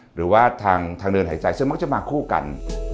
หรือว่าทางเดินหายใจซึ่งมักจะมาคู่กัน